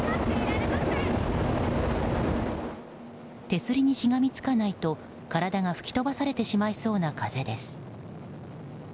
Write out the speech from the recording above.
手すりにしがみつかないと体が吹き飛ばされてしまいそうな風です。